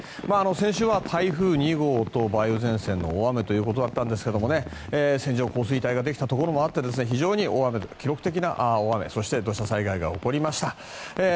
先週は台風２号と梅雨前線の大雨ということでしたが線状降水帯ができたところもあって非常に大雨、記録的な大雨そして土砂災害が起こりました。